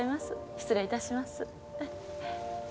失礼いたします。